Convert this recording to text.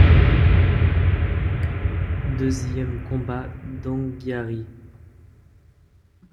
Deuxième combat d'Anghiari.